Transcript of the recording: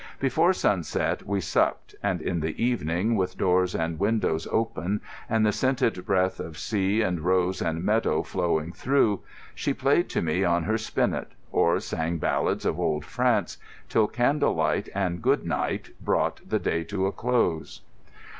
Before sunset we supped, and in the evening, with doors and windows open and the scented breath of sea and rose and meadow flowing through, she played to me on her spinet, or sang ballads of old France, till candle light and "good night" brought the day to a close.